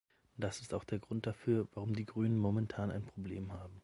Das ist auch der Grund dafür, warum die Grünen momentan ein Problem haben.